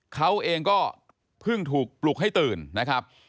เขาเองก็เพิ่งถูกปลุกให้ตื่นนะครับ